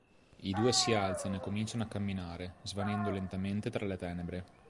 I due si alzano e cominciano a camminare, svanendo lentamente tra le tenebre.